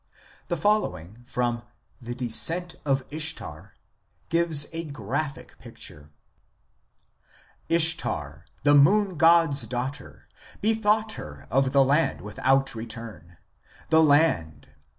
1 The following from " The Descent of Ishtar " gives a graphic picture :" Ishtar, the moon god s daughter, Bethought her of the Land without return, the land [.